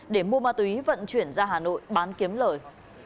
để mua ma túy vận chuyển ra hà nội bán kiếm lời